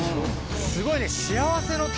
すごいね。